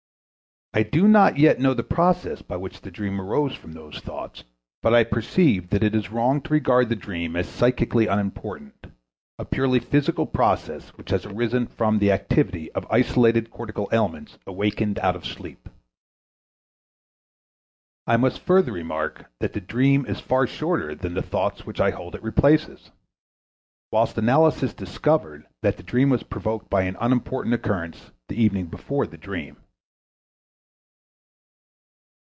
I do not yet know the process by which the dream arose from those thoughts, but I perceive that it is wrong to regard the dream as psychically unimportant, a purely physical process which has arisen from the activity of isolated cortical elements awakened out of sleep. I must further remark that the dream is far shorter than the thoughts which I hold it replaces; whilst analysis discovered that the dream was provoked by an unimportant occurrence the evening before the dream.